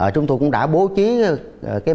chúng tôi cũng đã bố trí